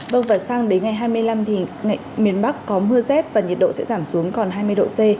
vâng và sang đến ngày hai mươi năm thì miền bắc có mưa rét và nhiệt độ sẽ giảm xuống còn hai mươi độ c